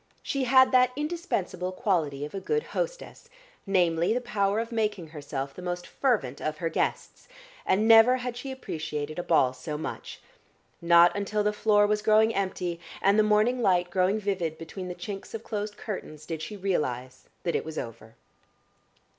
She had that indispensable quality of a good hostess, namely, the power of making herself the most fervent of her guests, and never had she appreciated a ball so much. Not until the floor was growing empty and the morning light growing vivid between the chinks of closed curtains did she realise that it was over.